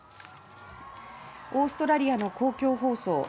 オーストラリアの公共放送